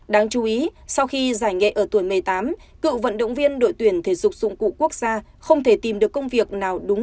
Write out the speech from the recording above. đáng chú ý sau khi giải nhẹ ở tuổi một mươi tám cựu vận động viên đội tuyển thể dục dụng cụ quốc gia không thể tìm được công việc nào đúng